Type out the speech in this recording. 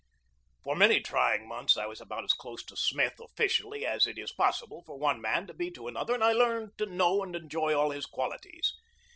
For many trying months I was about as close to Smith officially as it is possible for one man to be to another, and I learned to know and enjoy all his qualities.